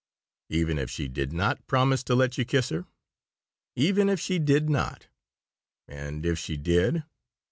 "Even if she did not promise to let you kiss her?" "Even if she did not." "And if she did?"